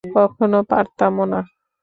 কখনো পারতামও না।